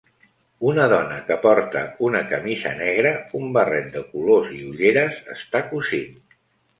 Una dona que porta una camisa negra, un barret de colors i ulleres està cosint.